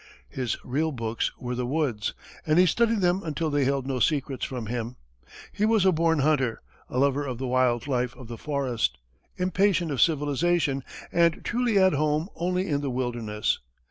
His real books were the woods, and he studied them until they held no secrets from him. He was a born hunter, a lover of the wild life of the forest, impatient of civilization, and truly at home only in the wilderness.